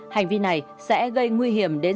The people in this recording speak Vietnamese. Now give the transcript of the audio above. hành vi này sẽ gây nguy hiểm đến